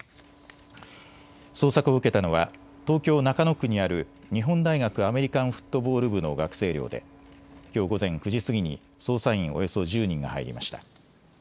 捜索を受けたのは東京中野区にある日本大学アメリカンフットボール部の学生寮できょう午前９時過ぎに捜査員およそ１０人が入りました。